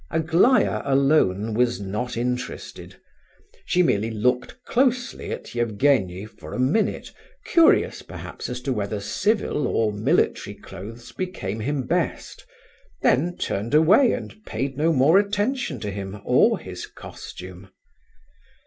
Aglaya alone was not interested. She merely looked closely at Evgenie for a minute, curious perhaps as to whether civil or military clothes became him best, then turned away and paid no more attention to him or his costume.